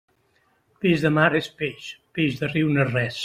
Peix de mar és peix, peix de riu no és res.